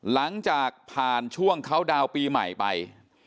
หลังจากผ่านช่วงเขาดาวน์ปีใหม่ไป